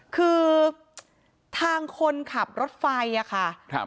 คือทางคนขับรถไฟค่ะ